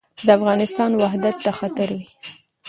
چې د افغانستان وحدت ته خطر وي.